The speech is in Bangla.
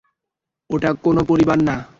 ওটা কোন পরিবার না।